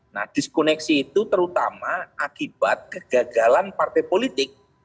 nah diskoneksi itu terutama akibat kegagalan partai politik